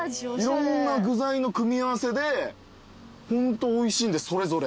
いろんな具材の組み合わせでホントおいしいんでそれぞれ。